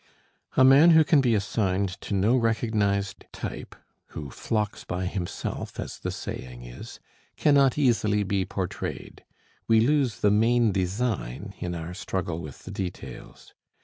A man who can be assigned to no recognized type who flocks by himself, as the saying is cannot easily be portrayed: we lose the main design in our struggle with the details.